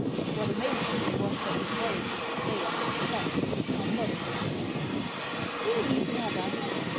What amazed me, was that he carried his prey on his back, and not in his teeth." " Really, brother